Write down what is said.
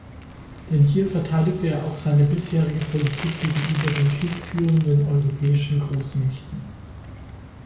Denn hier verteidigte er auch seine bisherige Politik gegenüber den kriegführenden europäischen Großmächten.